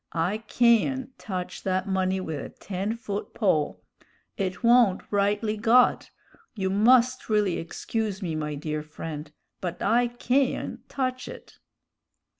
I cayn't touch that money with a ten foot pole; it wa'n't rightly got; you must really excuse me, my dear friend, but I cayn't touch it."